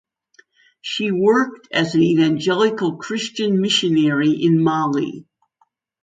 She worked as an Evangelical Christian missionary in Mali.